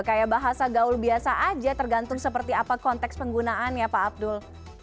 kayak bahasa gaul biasa aja tergantung seperti apa konteks penggunaannya pak abdul